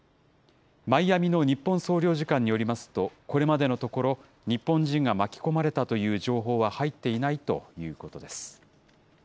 マイアミの日本総領事館によりますと、これまでのところ、日本人が巻き込まれたという情報は入っていないということです。